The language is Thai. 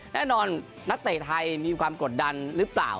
แน่นอนณไต่ไทยมีความกดดันหรือเปล่า